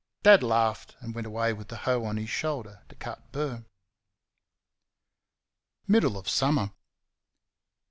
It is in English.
Dad laughed and went away with the hoe on his shoulder to cut burr. Middle of summer.